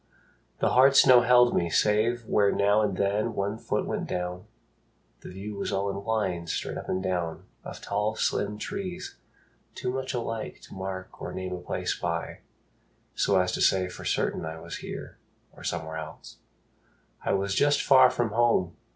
The hard snow held me, save where now and then One foot went down. The view was all in lines Straight up and down of tall slim trees Too much alike to mark or name a place by So as to say for certain I was here Or somewhere else: I was just far from home.